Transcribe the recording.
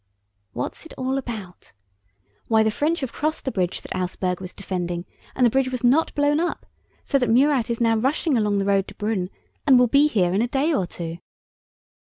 "What's it all about? Why, the French have crossed the bridge that Auersperg was defending, and the bridge was not blown up: so Murat is now rushing along the road to Brünn and will be here in a day or two."